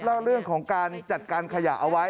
เล่าเรื่องของการจัดการขยะเอาไว้